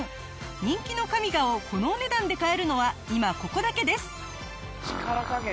人気のＫＡＭＩＧＡをこのお値段で買えるのは今ここだけです！